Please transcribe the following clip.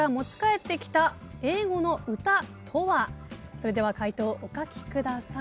それでは解答お書きください。